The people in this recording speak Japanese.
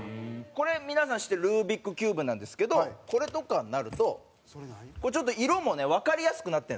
これ皆さん知ってるルービックキューブなんですけどこれとかになるとこれちょっと色もねわかりやすくなってるんですよ